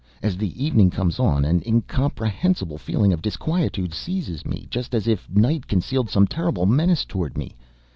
As the evening comes on, an incomprehensible feeling of disquietude seizes me, just as if night concealed some terrible menace toward me.